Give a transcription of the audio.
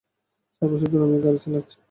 চার বছর ধরে আমি গাড়ি চালাচ্ছি।